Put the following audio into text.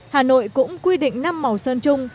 hà nội cũng quy định năm màu sơn chung